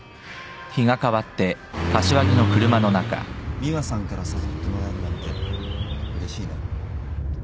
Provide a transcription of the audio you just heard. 美羽さんから誘ってもらえるなんてうれしいな。